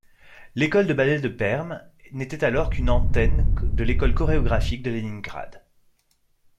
L'École de ballet de Perm n'était alors qu'une antenne de l'école chorégraphique de Léningrad.